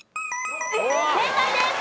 正解です。